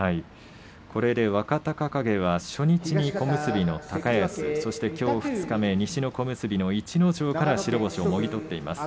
これで若隆景は初日に小結、高安きょう二日目西の小結の逸ノ城から白星をもぎ取っています。